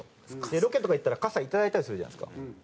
ロケとか行ったら傘いただいたりするじゃないですか。